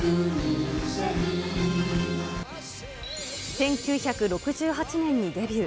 １９６８年にデビュー。